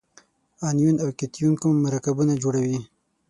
انیون او کتیون کوم مرکبونه جوړوي؟